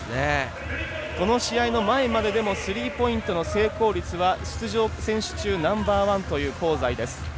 この試合の前まででにスリーポイント成功率を出場選手中ナンバーワンという香西です。